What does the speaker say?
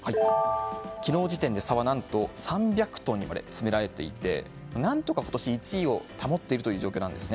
昨日時点で、差は何と３００トンにまで詰められていて何とか今年、１位を保っているという状況なんです。